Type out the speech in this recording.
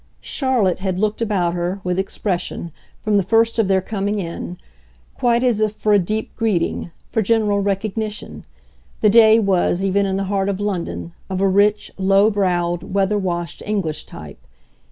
Charlotte had looked about her, with expression, from the first of their coming in, quite as if for a deep greeting, for general recognition: the day was, even in the heart of London, of a rich, low browed, weatherwashed English type.